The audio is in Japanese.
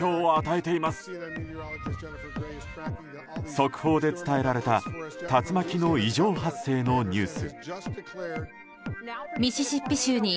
速報で伝えられた竜巻の異常発生のニュース。